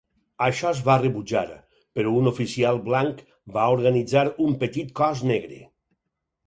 Això es va rebutjar, però un oficial blanc va organitzar un petit cos negre.